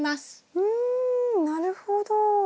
うんなるほど。